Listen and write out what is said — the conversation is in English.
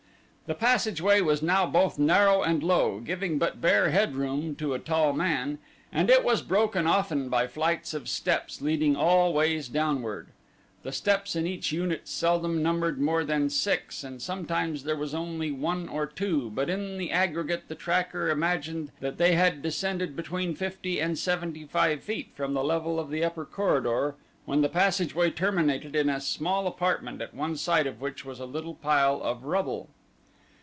The passageway was now both narrow and low, giving but bare headroom to a tall man, and it was broken often by flights of steps leading always downward. The steps in each unit seldom numbered more than six and sometimes there was only one or two but in the aggregate the tracker imagined that they had descended between fifty and seventy five feet from the level of the upper corridor when the passageway terminated in a small apartment at one side of which was a little pile of rubble.